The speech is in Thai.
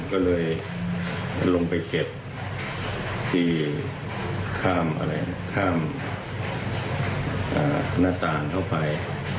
ก็เลยลงไปเก็บที่ข้ามหน้าต่างเข้าไป